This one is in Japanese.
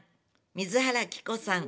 水原希子さん